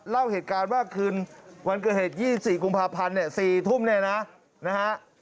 เล่าเหตุการณ์ว่าคืนวันเกิดเหตุ๒๔กรุงพาพันธ์๔ทุ่มเนี่ยนะ